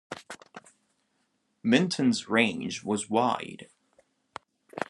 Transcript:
Minton's range was wide.